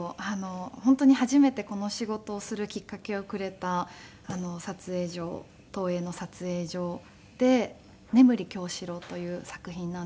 本当に初めてこの仕事をするきっかけをくれた撮影所東映の撮影所で『眠狂四郎』という作品なんですけど。